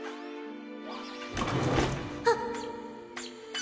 あっ！